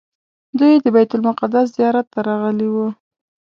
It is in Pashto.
دوی د بیت المقدس زیارت ته راغلي وو.